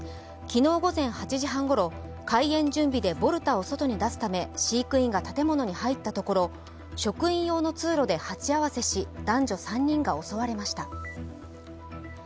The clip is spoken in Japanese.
昨日午前８時半ごろ、開園準備でボルタを外に出すため飼育員が建物に入ったところ職員用の通路で鉢合わせし男女３人が襲われました。